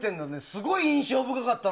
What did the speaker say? すごい印象深かったの。